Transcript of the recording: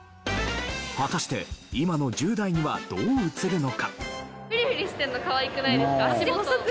果たして今の１０代にはどう映るのか？